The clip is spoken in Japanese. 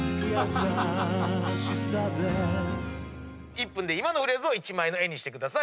１分で今のフレーズを１枚の絵にしてください。